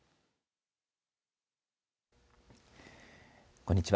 こんにちは。